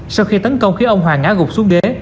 sau khi tấn công khi ông hoàng ngã gục xuống đế